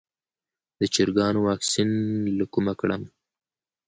د چرګانو واکسین له کومه کړم؟